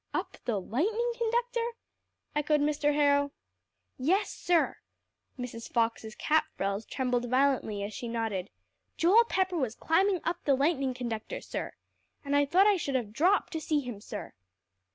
"Up the lightning conductor?" echoed Mr. Harrow. "Yes, sir," Mrs. Fox's cap frills trembled violently as she nodded, "Joel Pepper was climbing up the lightning conductor, sir. And I thought I should have dropped to see him, sir."